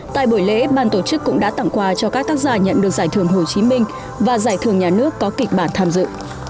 tại buổi lễ ban tổ chức cũng đã tặng quà cho các tác giả nhận được giải thưởng hồ chí minh và giải thưởng nhà nước có kịch bản tham dự